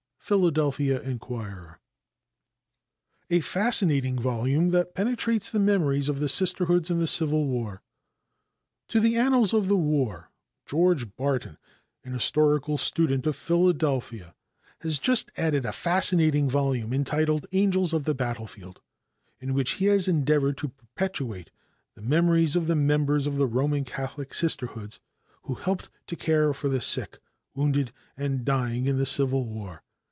Philadelphia Inquirer. "A Fascinating Volume that Perpetuates the Memories of the Sisterhoods in the Civil War." To the annals of the war George Barton, an historical student of Philadelphia, has just added a fascinating volume entitled "Angels of the Battlefield," in which he has endeavored to perpetuate the memories of the members of the Roman Catholic Sisterhoods who helped to care for the sick, wounded and dying in the Civil War.